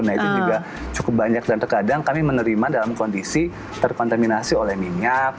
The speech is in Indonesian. nah itu juga cukup banyak dan terkadang kami menerima dalam kondisi terkontaminasi oleh minyak